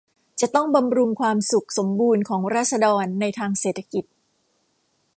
จะต้องบำรุงความสุขสมบูรณ์ของราษฎรในทางเศรษฐกิจ